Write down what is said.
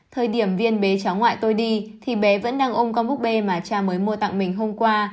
thời điểm viên bế cháu ngoại tôi đi thì bé vẫn đang ôm con búp bê mà cha mới mua tặng mình hôm qua